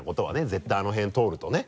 絶対あの辺通るとねうん。